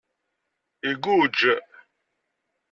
Iguǧǧ.